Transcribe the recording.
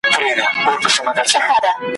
که مي نصیب سوې د وطن خاوري `